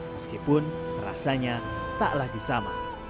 meskipun rasanya tak lagi sama